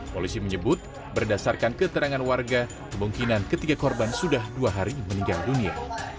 polisi menyebut berdasarkan keterangan warga kemungkinan ketiga korban sudah dua hari meninggal dunia